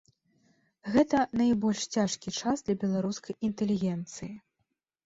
Гэта найбольш цяжкі час для беларускай інтэлігенцыі.